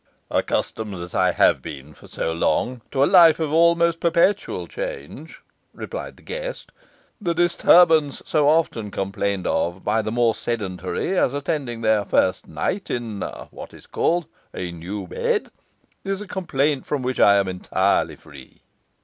'Accustomed as I have been for so long to a life of almost perpetual change,' replied the guest, 'the disturbance so often complained of by the more sedentary, as attending their first night in (what is called) a new bed, is a complaint from which I am entirely free.